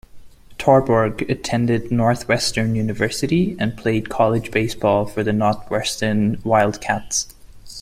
Torborg attended Northwestern University, and played college baseball for the Northwestern Wildcats.